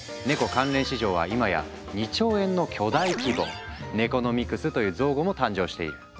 関連市場はいまや２兆円の巨大規模！「ネコノミクス」という造語も誕生している。